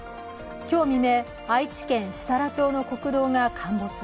今日未明、愛知県設楽町の国道が陥没。